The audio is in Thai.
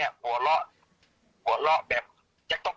แม่ยังคงมั่นใจและก็มีความหวังในการทำงานของเจ้าหน้าที่ตำรวจค่ะ